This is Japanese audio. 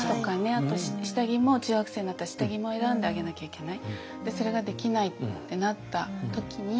あと下着も中学生になったら下着も選んであげなきゃいけない。